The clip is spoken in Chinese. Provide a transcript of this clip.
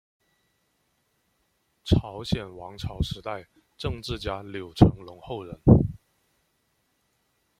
朝鲜王朝时代政治家柳成龙后人。